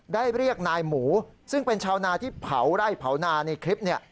เรียกนายหมูซึ่งเป็นชาวนาที่เผาไร่เผานาในคลิปเนี่ย